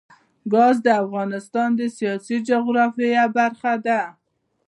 ګاز د افغانستان د سیاسي جغرافیه برخه ده.